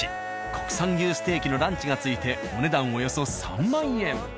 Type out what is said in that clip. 国産牛ステーキのランチが付いてお値段およそ３０，０００円。